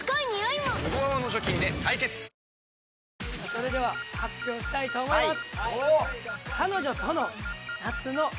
それでは発表したいと思います。